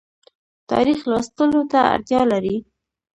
تاریخ لوستلو ته اړتیا لري